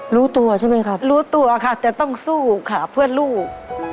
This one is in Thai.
รู้ตัวใช่ไหมครับรู้ตัวค่ะแต่ต้องสู้ค่ะเพื่อลูก